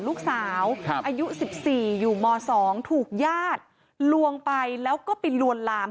ลูกสาวอายุ๑๔อยู่ม๒ถูกญาติลวงไปแล้วก็ไปลวนลาม